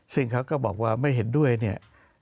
ซึ่งเขาก็บอกว่าไม่เห็นด้วยเนี่ย